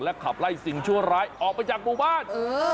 ขับไล่สิ่งชั่วร้ายออกไปจากหมู่บ้าน